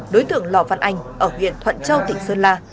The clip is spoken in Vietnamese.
đối tượng lò văn anh ở huyện thuận châu tỉnh sơn la